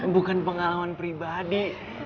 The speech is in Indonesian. bukan pengalaman pribadi